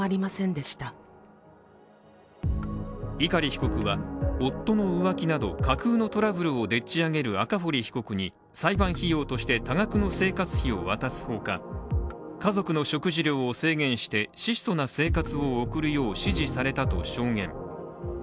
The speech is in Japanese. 碇被告は、夫の浮気など架空のトラブルをでっち上げる赤堀被告に裁判費用として多額の生活費を渡すほか、家族の食事量を制限して質素な生活を送るよう指示されたと証言。